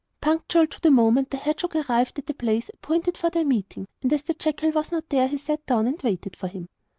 Punctual to the moment the hedgehog arrived at the place appointed for their meeting, and as the jackal was not there he sat down and waited for him.